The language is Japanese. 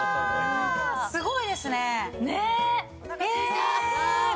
すごいですね！